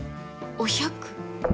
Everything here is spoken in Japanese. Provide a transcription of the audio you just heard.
お百。